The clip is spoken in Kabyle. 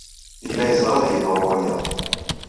Yella yeẓra ad yeḍru waya.